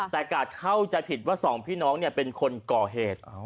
แต่กาดเข้าใจผิดว่าสองพี่น้องเป็นคนก่อเหตุ